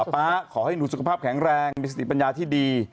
ป๊าขอให้หนูสุขภาพแข็งแรงมีสติปัญญาที่ดี